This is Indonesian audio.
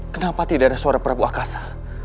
kenapa tidak ada suara prabu akhasa